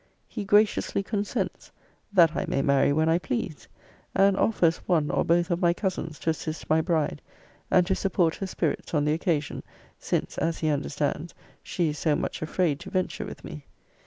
He graciously consents, 'that I may marry when I please; and offers one or both of my cousins to assist my bride, and to support her spirits on the occasion; since, as he understands, she is so much afraid to venture with me.